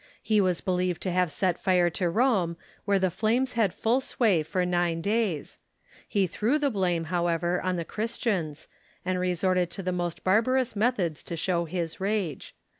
He was believed to have set fire to Rome, where the flames had full sway for nine days. He threw the blame, however, on the Christianr', and resorted to the most barbarous methods to show his rage.